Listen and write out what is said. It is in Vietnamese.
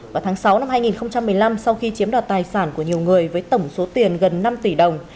vào tháng sáu năm hai nghìn một mươi năm sau khi chiếm đoạt tài sản của nhiều người với tổng số tiền gần năm tỷ đồng